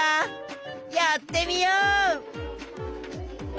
やってみよう！